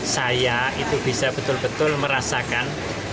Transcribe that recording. saya itu bisa betul betul merasakan